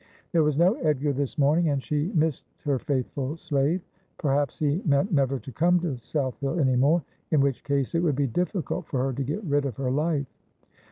There was no Edgar this morning, and she missed her faith ful slave. Perhaps he meant never to come to South Hill any more ; in which case it would be difficult for her to get rid of her life.